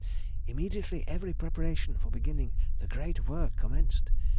Immediately every preparation for beginning the great work commenced.